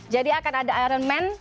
jadi akan ada iron man